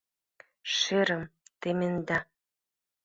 Шерым теменда!